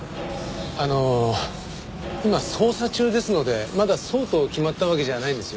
あの今捜査中ですのでまだそうと決まったわけじゃないんですよ。